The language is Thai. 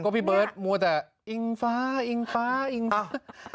พี่เบิร์ดมัวแต่อิงฟ้าอิงฟ้าอิงฟ้า